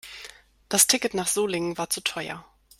Das Ticket nach Solingen war zu teuer